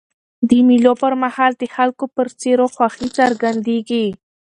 د مېلو پر مهال د خلکو پر څېرو خوښي څرګندېږي.